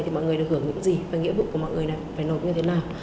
thì mọi người được hưởng những gì và nghĩa vụ của mọi người này phải nộp như thế nào